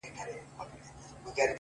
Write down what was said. ستا د دواړو سترگو سمندر گلي،